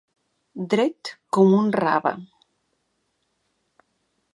Dret com un rave.